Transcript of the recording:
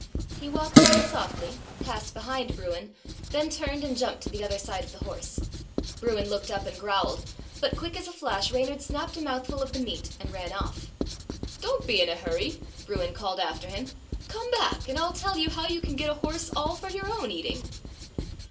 He walked on softly, passed behind Bruin, then turned and jumped to the other side of the horse. Bruin looked up and growled, but quick as a flash Reynard snapped a mouthful of the meat and ran off. "Don't be in a hurry," Bruin called after him. " Come back and I 'll tell you how you can get a horse all for your own eating."